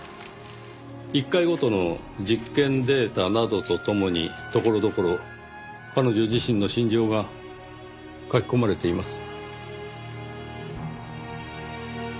１回ごとの実験データなどとともにところどころ彼女自身の心情が書き込まれています。